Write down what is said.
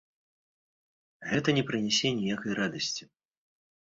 Гэта не прынясе ніякай радасці.